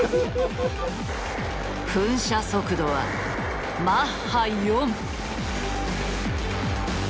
噴射速度はマッハ４。